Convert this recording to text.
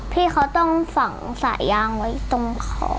พี่เขาต้องฝังสายยางไว้ตรงเขา